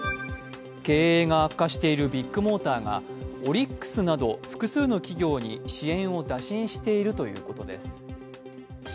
経営が悪化しているビッグモーターがオリックスなど複数の企業に支援を打診しているということです。